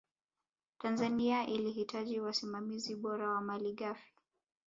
tanzania ilihitaji wasimamizi bora wa mali ghafi